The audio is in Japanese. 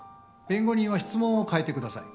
弁護人は質問を変えてください。